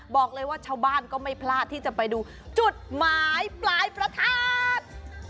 บอกเลยว่าชาวบ้านก็ไม่พลาดที่จะไปดูจุดหมายปลายประทัด